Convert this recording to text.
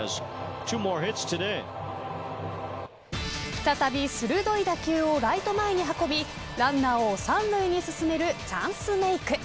再び鋭い打球をライト前に運びランナーを３塁に進めるチャンスメーク。